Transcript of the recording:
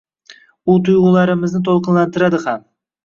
U tuyg‘ularimizni to‘lqinlantiradi ham.